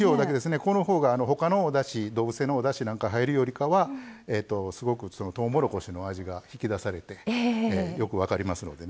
このほうが他の動物性のおだしなんか入るよりかはすごくとうもろこしの味が引き出されてよく分かりますのでね。